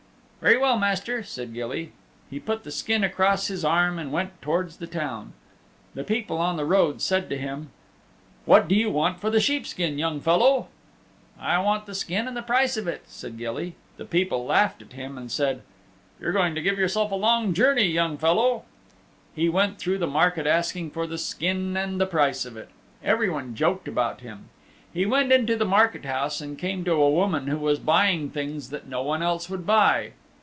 "Very well, Master," said Gilly. He put the skin across his arm and went towards the town. The people on the road said to him, "What do you want for the sheep skin, young fellow?" "I want the skin and the price of it," Gilly said. The people laughed at him and said, "You're going to give yourself a long journey, young fellow." He went through the market asking for the skin and the price of it. Everyone joked about him. He went into the market house and came to a woman who was buying things that no one else would buy.